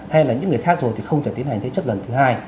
hay là những người khác rồi thì không thể tiến hành thế chấp lần thứ hai